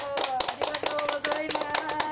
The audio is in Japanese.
ありがとうございます。